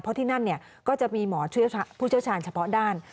เพราะที่นั่นก็จะมีหมอผู้เชี่ยวชาญเฉพาะด้าน